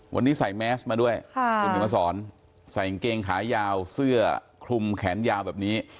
วันนี้ใส่แมสมาด้วยคุณเขียนมาสอนใส่กางเกงขายาวเสื้อคลุมแขนยาวแบบนี้